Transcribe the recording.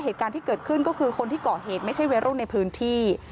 เหตุการณ์ที่เกิดขึ้นก็คือคนที่เกาะเหตุไม่ใช่วัยรุ่นในพื้นที่